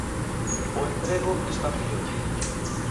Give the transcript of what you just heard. O emprego está mellor.